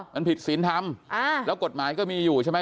มันผิดศีลธรรมแล้วกฎหมายก็มีอยู่ใช่ไหม